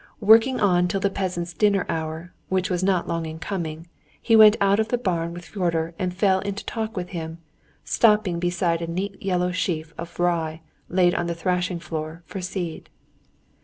Working on till the peasants' dinner hour, which was not long in coming, he went out of the barn with Fyodor and fell into talk with him, stopping beside a neat yellow sheaf of rye laid on the thrashing floor for seed.